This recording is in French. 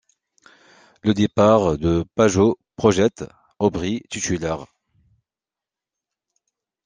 Le départ de Pageaud projette Aubry titulaire.